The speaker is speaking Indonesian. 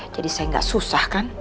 jadi saya gak susah kan